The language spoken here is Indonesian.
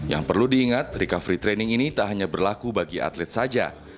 yang perlu diingat recovery training ini tak hanya berlaku bagi atlet saja